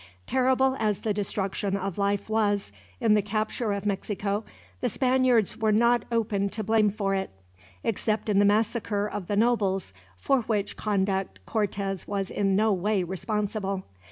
Terrible as the destruction of life was, in the capture of Mexico, the Spaniards were not open to blame for it; except in the massacre of the nobles, for which conduct Cortez was in no way responsible.